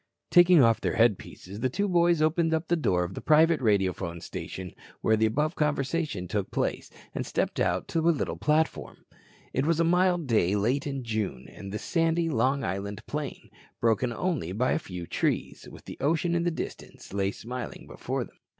Taking off their headpieces, the two boys opened the door of the private radiophone station where the above conversation took place and stepped out to a little platform. It was a mild day late in June, and the sandy Long Island plain, broken only by a few trees, with the ocean in the distance, lay smiling before them.